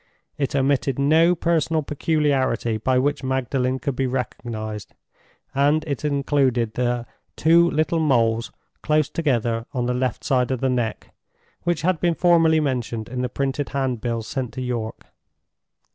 It omitted no personal peculiarity by which Magdalen could be recognized, and it included the "two little moles close together on the left side of the neck," which had been formerly mentioned in the printed handbills sent to York.